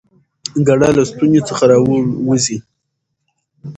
ګړه له ستوني څخه راوزي؟